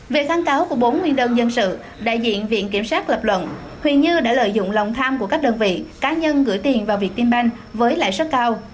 về kháng cáo của bốn nguyên đơn dân sự đại diện viện kiểm sát lập luận huỳnh như đã lợi dụng lòng tham của các đơn vị cá nhân gửi tiền vào việt tim banh với lãi suất cao